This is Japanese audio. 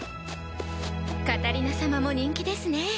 カタリナ様も人気ですね。